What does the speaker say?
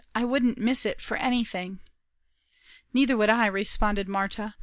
"I wouldn't miss it for anything." "Neither would I," responded Marta.